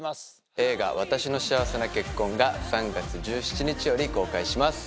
映画『わたしの幸せな結婚』が３月１７日より公開します。